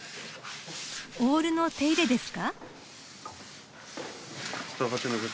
オールの手入れですか？